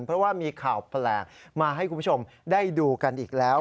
เพราะว่ามีข่าวแปลกมาให้คุณผู้ชมได้ดูกันอีกแล้ว